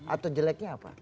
atau jeleknya apa